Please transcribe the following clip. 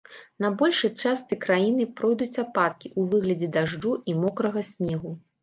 На большай частцы краіны пройдуць ападкі ў выглядзе дажджу і мокрага снегу.